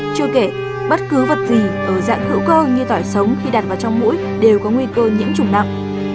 chưa kể bất cứ vật gì ở dạng hữu cơ như tỏi sống khi đặt vào trong mũi đều có nguy cơ nhiễm chủng nặng